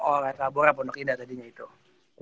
oret labora pondok indah tadinya itu